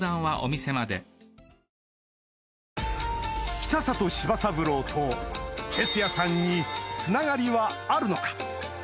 ・北里柴三郎と鉄矢さんにつながりはあるのか？